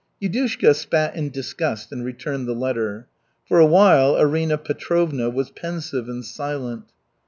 $/#/ Yudushka spat in disgust and returned the letter. For a while Arina Petrovna was pensive and silent.